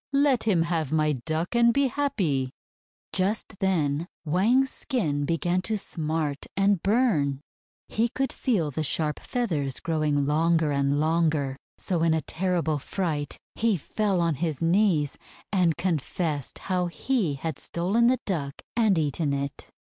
Let him have my Duck, and be happy!" Just then Wang's skin began to smart and burn. He could feel the sharp feathers growing longer and longer, so in a terrible fright he fell on his knees, and confessed how he had stolen the Duck and eaten it.